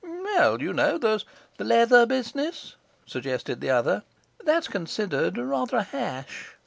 'Well, you know, there's the leather business,' suggested the other. 'That's considered rather a hash.